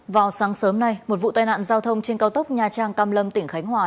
vào sáng sớm nay một vụ tai nạn giao thông trên cao tốc nha trang cam lâm tỉnh khánh hòa